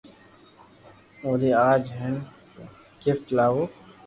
اوري آج ھون گفت لاوُ